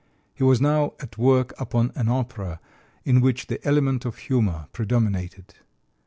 He was now at work upon an opera in which the element of humor predominated.